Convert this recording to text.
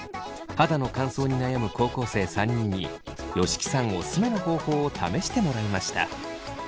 肌の乾燥に悩む高校生３人に吉木さんオススメの方法を試してもらいました。